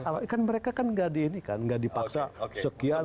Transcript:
bukan mereka kan tidak dipaksa sekian